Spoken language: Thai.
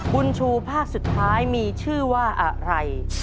บุญชูภาคสุดท้ายมีชื่อว่าอะไร